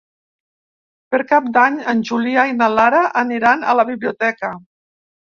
Per Cap d'Any en Julià i na Lara aniran a la biblioteca.